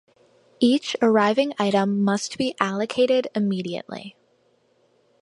Each arriving item must be allocated immediately.